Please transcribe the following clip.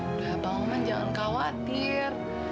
udah pak maman jangan khawatir